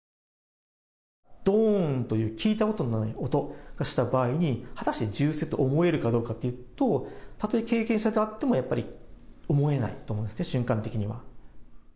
どーんという聞いたことのない音がした場合に、果たして銃声って思えるかどうかというと、たとえ経験者であってもやっぱり思えないと思います、瞬間的には。